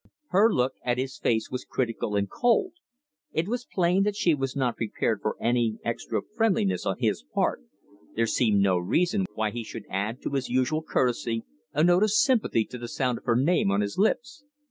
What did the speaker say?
Her look at his face was critical and cold. It was plain that she was not prepared for any extra friendliness on his part there seemed no reason why he should add to his usual courtesy a note of sympathy to the sound of her name on his lips.